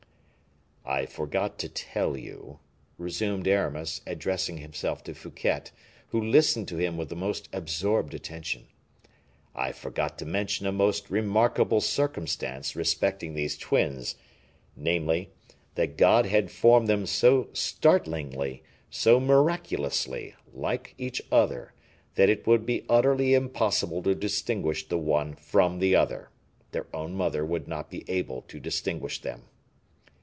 "I forgot to tell you," resumed Aramis, addressing himself to Fouquet, who listened to him with the most absorbed attention "I forgot to mention a most remarkable circumstance respecting these twins, namely, that God had formed them so startlingly, so miraculously, like each other, that it would be utterly impossible to distinguish the one from the other. Their own mother would not be able to distinguish them."